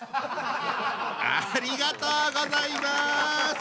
ありがとうございます。